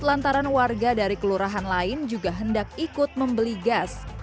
lantaran warga dari kelurahan lain juga hendak ikut membeli gas